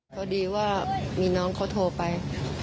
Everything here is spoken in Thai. พอดีว่ามีน้องเขาโทรไป